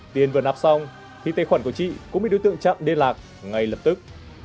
tiền vừa nạp xong thì tài khoản của chị cũng bị đối tượng chặn liên lạc ngay lập tức